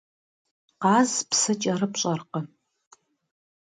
Къаз псы кӏэрыпщӏэркъым.